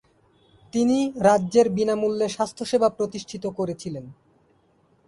তিনি রাজ্যের বিনামূল্যে স্বাস্থ্য সেবা প্রতিষ্ঠিত করেছিলেন।